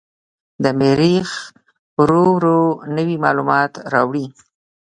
د مریخ روور نوې معلومات راوړي.